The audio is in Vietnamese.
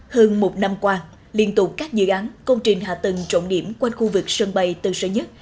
hơn một năm qua liên tục các dự án công trình hạ tầng trộn điểm quanh khu vực sân bay tầng sở nhất